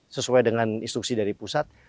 sesuai dengan instruksi dari pusat